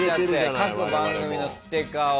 各番組のステッカーを。